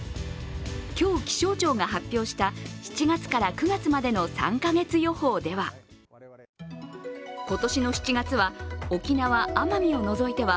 今日、気象庁が発表した７月から９月までの３カ月予報では今年の７月は沖縄・奄美を除いては。